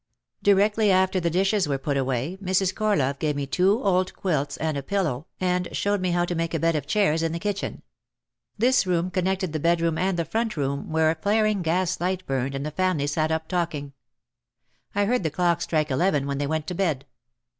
Directly after the dishes were put away Mrs. Cor love gave me two old quilts and a pillow and showed me how to make a bed of chairs in the kitchen. This room connected the bedroom and the "front room" where a flaring gas light burned and the family sat up talking. OUT OF THE SHADOW 173 I heard the clock strike eleven when they went to bed.